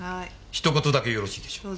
ひと言だけよろしいでしょうか？